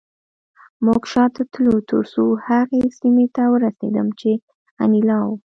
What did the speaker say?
موږ شاته تلو ترڅو هغې سیمې ته ورسېدم چې انیلا وه